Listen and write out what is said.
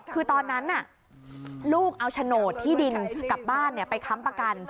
คือตอนนั้นลูกเอาโฉนดที่ดินกลับบ้านไปค้ำประกัน